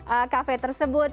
lagi dari cafe tersebut